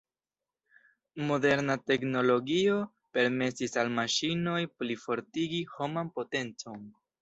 Moderna teknologio permesis al maŝinoj plifortigi homan potencon.